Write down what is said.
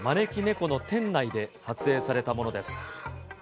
この店内で撮影されたものです。